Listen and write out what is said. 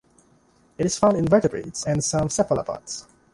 It is found in vertebrates and some cephalopods.